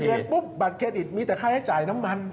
พอสิ้นเงินปุ๊บบัตรเครดิตมีแต่ค่าให้จ่ายน้ำมัน